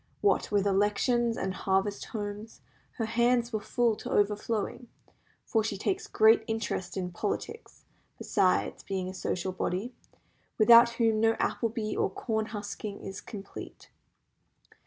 What with elections and harvest homes, her hands were full to overflowing; for she takes great interest in politics, besides being a social body, without whom no apple bee or corn husking is complete.